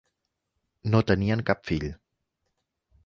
No tenien cap fill.